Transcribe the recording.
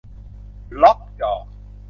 ล็อกจอ